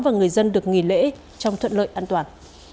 và người dân được nghỉ lễ trong thuận lợi an toàn